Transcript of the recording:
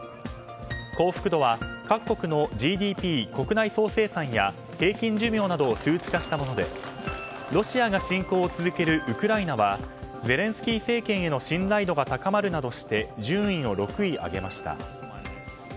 幸福度は各国のＧＤＰ・国内総生産や平均寿命などを数値化したものでロシアが侵攻を続けるウクライナはゼレンスキー政権への信頼度が高まるなどして順位を６位上げました。